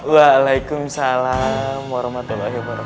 waalaikumsalam warahmatullahi wabarakatuh